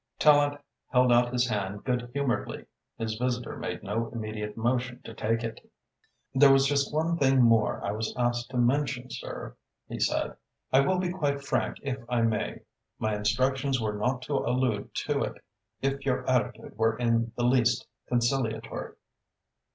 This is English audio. Tallente held out his hand good humouredly. His visitor made no immediate motion to take it. "There was just one thing more I was asked to mention, sir," he said. "I will be quite frank if I may. My instructions were not to allude to it if your attitude were in the least conciliatory."